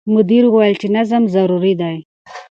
مدیر وویل چې نظم ضروري دی.